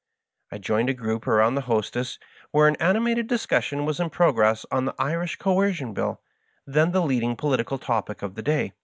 I joined a group around the hostess, where an animated discussion was in progress on the Irish Coer cion Bill, then the leading political topic of the day.